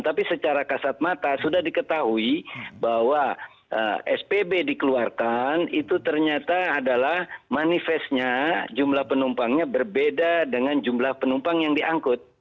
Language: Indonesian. tapi secara kasat mata sudah diketahui bahwa spb dikeluarkan itu ternyata adalah manifestnya jumlah penumpangnya berbeda dengan jumlah penumpang yang diangkut